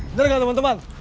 bener nggak teman teman